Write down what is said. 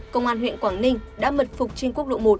công an huyện quảng ninh đã mật phục trên quốc lộ một